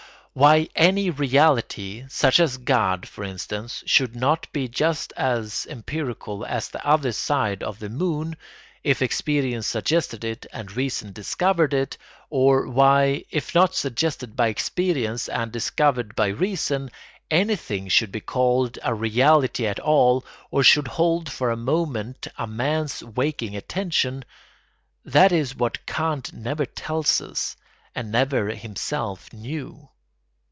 Why any reality—such as God, for instance—should not be just as empirical as the other side of the moon, if experience suggested it and reason discovered it, or why, if not suggested by experience and discovered by reason, anything should be called a reality at all or should hold for a moment a man's waking attention—that is what Kant never tells us and never himself knew.